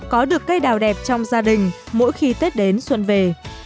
có được cây đào đẹp trong gia đình mỗi khi tết đến xuân về